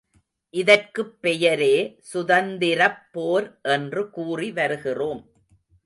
இதற்குப் பெயரே சுதந்தி ரப்போர் என்று கூறி வருகிறோம்.